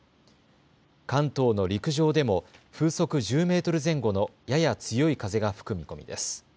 関東の陸上でも風速１０メートル前後の、やや強い風が吹く見込みです。